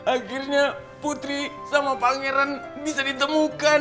akhirnya putri sama pangeran bisa ditemukan